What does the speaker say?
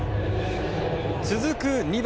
続く２番。